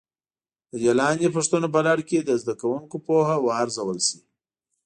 د دې لاندې پوښتنو په لړ کې د زده کوونکو پوهه وارزول شي.